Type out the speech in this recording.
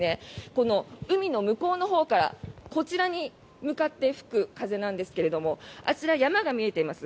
この海の向こうのほうからこちらに向かって吹く風ですがあちら、山が見えています。